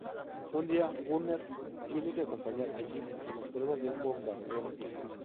Un día, Gunner tiene que acompañar a Jim en las pruebas de un bombardero.